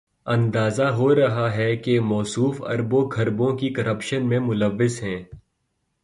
اندازہ ہو رہا ہے کہ موصوف اربوں، کھربوں کی کرپشن میں ملوث ہیں۔